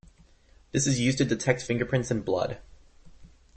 This is used to detect fingerprints in blood.